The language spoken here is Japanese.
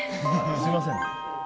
すみません。